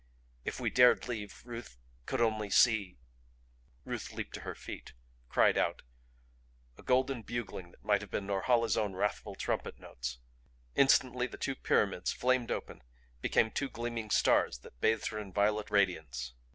If we dared leave Ruth could only, see " Ruth leaped to her feet; cried out a golden bugling that might have been Norhala's own wrathful trumpet notes. Instantly the two pyramids flamed open, became two gleaming stars that bathed her in violet radiance.